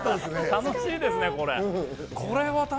楽しいですねこれ。